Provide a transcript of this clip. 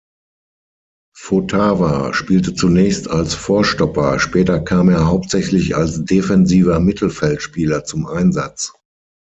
Votava spielte zunächst als Vorstopper, später kam er hauptsächlich als defensiver Mittelfeldspieler zum Einsatz.